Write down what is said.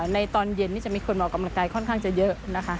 ในตอนเย็นนี้จะมีคนมาออกกำลังกายค่อนข้างจะเยอะนะคะ